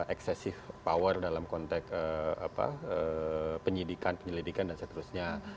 eksesif power dalam konteks penyelidikan penyelidikan dan seterusnya